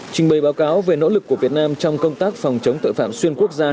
trình bày báo cáo về nỗ lực của việt nam trong công tác phòng chống tội phạm xuyên quốc gia